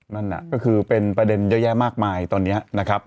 นั่นน่ะก็คือเป็นประเด็นเยอะแยะมากมายตอนนี้นะครับ